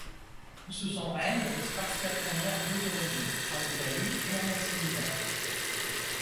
Sous son règne les Spartiates fondèrent deux colonies, en Italie et en Asie Mineure.